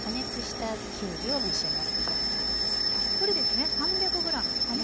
たっぷりですね。